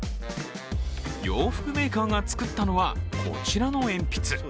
洋服メーカーが作ったのはこちらの鉛筆。